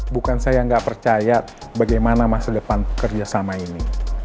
bukan saya nggak percaya bagaimana masa depan kerjasama ini